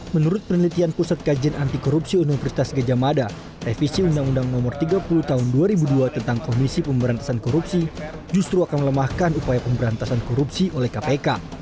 menurut penelitian pusat kajian anti korupsi universitas gejamada revisi undang undang nomor tiga puluh tahun dua ribu dua tentang komisi pemberantasan korupsi justru akan melemahkan upaya pemberantasan korupsi oleh kpk